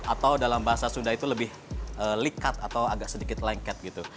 atau dalam bahasa sunda itu lebih likat atau agak sedikit lengket gitu